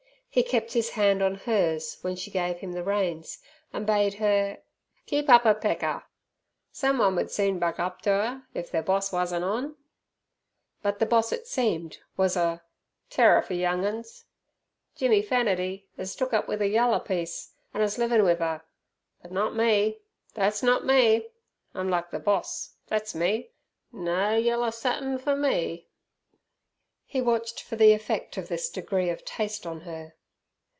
He kept his hand on hers when she gave him the reins, and bade her "keep up 'er pecker". "Someone would soon buck up ter 'er if their boss wusn't on." But the boss it seemed was a "terrer for young uns. Jimmy Fernatty 'as took up with a yaller piece an' is livin' with 'er. But not me; thet's not me! I'm like ther boss, thet's me! No yeller satin for me!" He watched for the effect of this degree of taste on her.